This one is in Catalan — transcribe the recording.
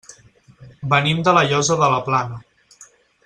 Venim de La Llosa de la Plana.